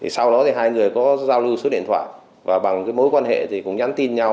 sau đó thì hai người có giao lưu số điện thoại và bằng mối quan hệ thì cũng nhắn tin nhau